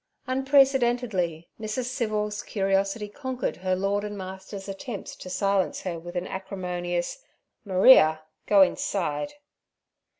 Unprecedentedly Mrs. Civil's curiosity conquered her lord and master's attempts to silence her with an acrimonious, 'Maria, go inside.'